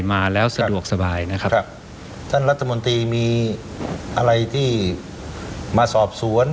มาแล้วสะดวกสบายนะครับครับท่านรัฐมนตรีมีอะไรที่มาสอบสวน